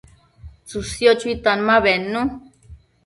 tsësio chuitan ma bednu